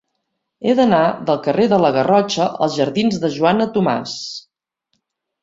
He d'anar del carrer de la Garrotxa als jardins de Joana Tomàs.